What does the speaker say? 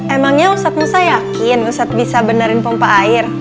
emangnya ustadz musa yakin ustadz bisa benerin pompa air